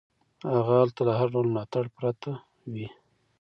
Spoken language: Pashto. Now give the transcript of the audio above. هغه هلته له هر ډول ملاتړ پرته وي.